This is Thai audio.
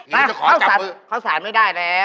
นี่จะขอจับมือข้าวสารไม่ได้แล้ว